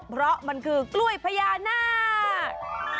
เพราะมันคือกล้วยพญานาค